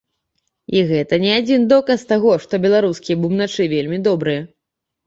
І гэта не адзін доказ таго, што беларускія бубначы вельмі добрыя.